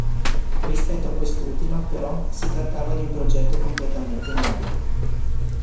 Rispetto a quest'ultima, però, si trattava di un progetto completamente nuovo.